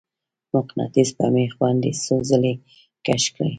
مقناطیس په میخ باندې څو ځلې کش کړئ.